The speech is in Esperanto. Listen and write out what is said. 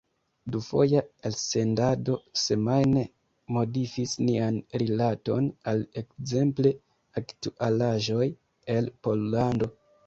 Dufoja elsendado semajne modifis nian rilaton al ekzemple aktualaĵoj el Pollando.